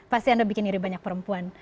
pasti anda bikin iri banyak perempuan